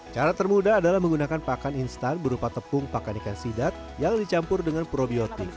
cara termuda adalah menggunakan pakan instan berupa tepung pakan ikan sidap yang dicampur dengan probiotik